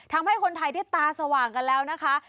ทำให้คนไทยได้ตาสว่างกันแล้วนะคะ